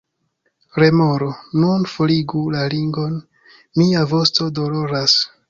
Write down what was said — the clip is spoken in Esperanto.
Remoro: "Nun forigu la ringon. Mia vosto doloras!"